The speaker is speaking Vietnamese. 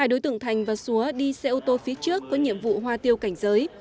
hai đối tượng thành và xúa đi xe ô tô phía trước có nhiệm vụ hoa tiêu cảnh giới